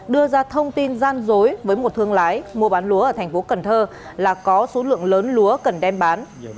đưa ra thông tin gian dối với một thương lái mua bán lúa ở thành phố cần thơ là có số lượng lớn lúa cần đem bán